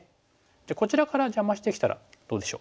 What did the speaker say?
じゃあこちらから邪魔してきたらどうでしょう？